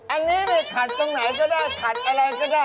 อันนี้เนี่ยขัดตรงไหนก็ได้ขัดอะไรก็ได้